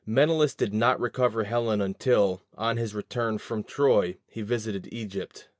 Menelaus did not recover Helen until, on his return from Troy, he visited Egypt.